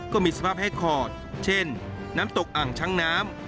ก็มีสภาพแห้งขอดเช่นน้ำตกอ่างช้างน้ำ